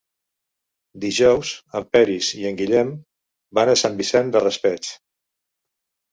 Dijous en Peris i en Guillem van a Sant Vicent del Raspeig.